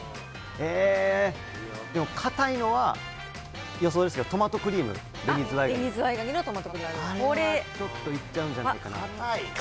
えー、でも堅いのは、予想ですけどトマトクリーム、ちょっと、いっちゃうんじゃないかな。